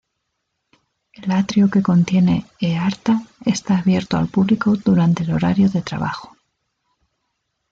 El atrio que contiene Eartha está abierto al público durante el horario de trabajo.